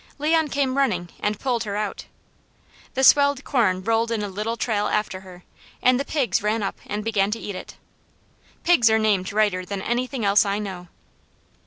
Leon came running and pulled her out. The swelled corn rolled in a little trail after her, and the pigs ran up and began to eat it. Pigs are named righter than anything else I know.